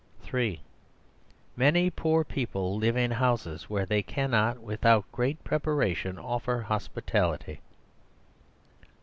(3) Many poor people live in houses where they cannot, without great preparation, offer hospitality.